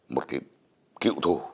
một cái cựu thù